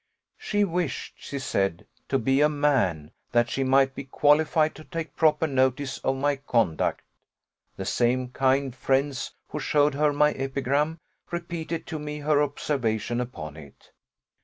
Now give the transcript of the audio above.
She wished, she said, to be a man, that she might be qualified to take proper notice of my conduct. The same kind friends who showed her my epigram repeated to me her observation upon it.